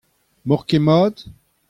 N'emaoc'h ket mat ?